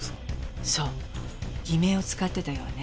そう偽名を使ってたようね